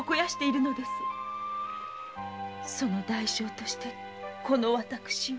その代償としてこの私を。